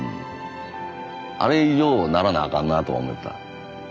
あれ以上ならなあかんなとは思った。